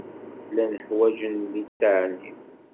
Llan ḥwaǧen litteɛ-nni.